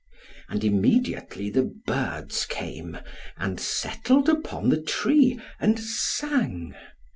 And immediately the birds came, and settled upon the tree, and sang.